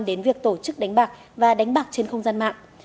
đến việc tổ chức đánh bạc và đánh bạc trên không gian mạng